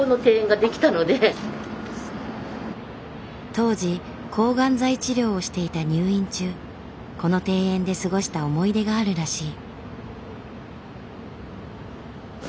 当時抗がん剤治療をしていた入院中この庭園で過ごした思い出があるらしい。